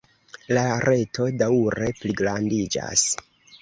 La reto daŭre pligrandiĝas.